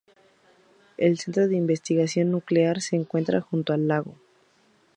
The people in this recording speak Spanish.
El centro de investigación nuclear se encuentra junto al lago.